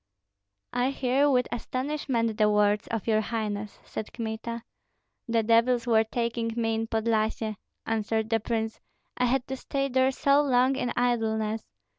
"I hear with astonishment the words of your highness," said Kmita. "The devils were taking me in Podlyasye," answered the prince, "I had to stay there so long in idleness.